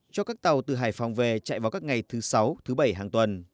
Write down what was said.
cho các tàu từ hải phòng về chạy vào các ngày thứ sáu thứ bảy hàng tuần